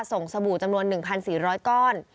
สบู่จำนวน๑๔๐๐ก้อน